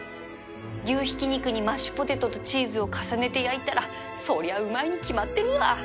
牛ひき肉にマッシュポテトとチーズを重ねて焼いたらそりゃうまいに決まってるわ！